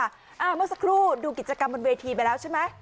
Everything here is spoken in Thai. เมื่อสักครู่ดูกิจกรรมบนเวทีไปแล้วใช่ไหม